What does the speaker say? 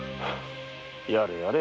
やれやれ。